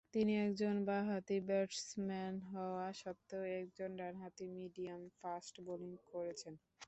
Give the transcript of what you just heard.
তিনি একজন বাঁহাতি ব্যাটসম্যান হওয়া সত্ত্বেও একজন ডানহাতি মিডিয়াম ফাস্ট বোলিং করেছেন।